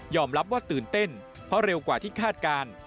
รับว่าตื่นเต้นเพราะเร็วกว่าที่คาดการณ์